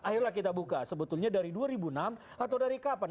ayolah kita buka sebetulnya dari dua ribu enam atau dari kapan